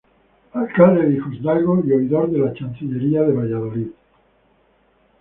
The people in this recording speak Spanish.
Alcalde de hijosdalgo y oidor de la Chancillería de Valladolid.